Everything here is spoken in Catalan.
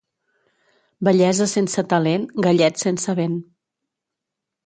Bellesa sense talent, gallet sense vent.